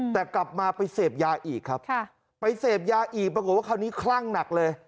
แต่กลับมาไปเสพยาอีกครับไปเสพยาอีกปรากฏว่าคราวนี้คลั่งหนักเลย